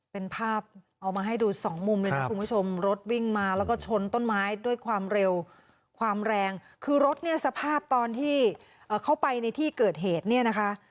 เป็นภาพเอามาให้ดูสองมุมเลยนะคุณผู้ชมรถวิ่งมาแล้วก็ชนต้นไม้ด้วยความเร็วความแรงคือรถเนี่ยสภาพตอนที่เข้าไปในที่เกิดเหตุเนี่ยนะคะ